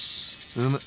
うむ。